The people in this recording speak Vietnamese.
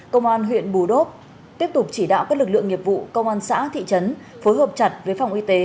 công an huyện bù đốp tiếp tục chỉ đạo các lực lượng nghiệp vụ công an xã thị trấn phối hợp chặt với phòng y tế